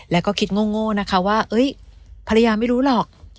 แล้วก็คิดโง่นะคะว่าภรรยาไม่รู้หรอก